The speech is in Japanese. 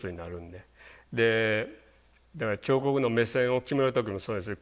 でだから彫刻の目線を決める時もそうですね。